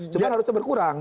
cuma harus berkurang